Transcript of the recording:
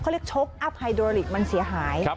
เขาเรียกชกอัพไฮโดริกมันเสียหาย